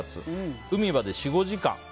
海まで４５時間。